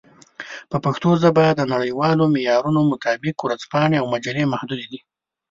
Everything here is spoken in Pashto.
په پښتو ژبه د نړیوالو معیارونو مطابق ورځپاڼې او مجلې محدودې دي.